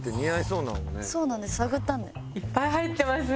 そうなんです。